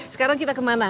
sekarang kita kemana